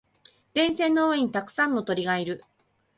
電線の上にたくさんの鳥がいる。